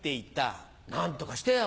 何とかしてよ。